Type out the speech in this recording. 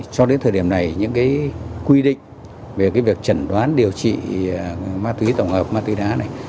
cho đến thời điểm này những cái quy định về việc trần đoán điều trị ma túy tổng hợp ma túy đá này